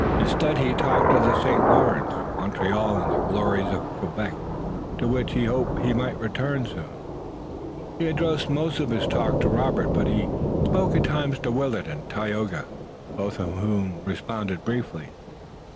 Instead, he talked of the St. Lawrence, Montreal, and the glories of Quebec to which he hoped he might return soon. He addressed most of his talk to Robert, but he spoke at times to Willet and Tayoga, both of whom responded briefly.